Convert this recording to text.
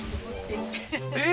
えっ？